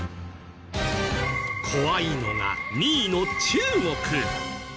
怖いのが２位の中国。